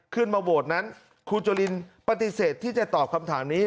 ขึ้นมาโหวตนั้นครูจุลินปฏิเสธที่จะตอบคำถามนี้